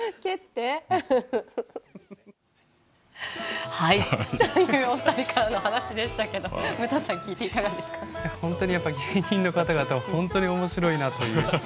というお二人からのお話でしたけど本当に芸人の方々は本当におもしろいなという。